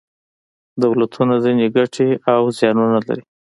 دولتونه ځینې ګټې او زیانونه لري.